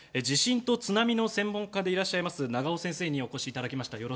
地震と津波の専門家でいらっしゃいます長尾先生にお越しいただきました。